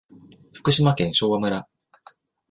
福島県昭和村